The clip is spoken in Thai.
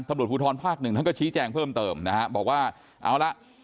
ตำรวจภูทรภาคหนึ่งท่านก็ชี้แจงเพิ่มเติมนะฮะบอกว่าเอาละ